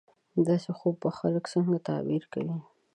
د داسې خوب به خلک څنګه تعبیرونه کوي